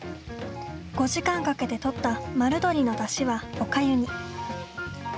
５時間かけてとった丸鶏のだしはお粥に。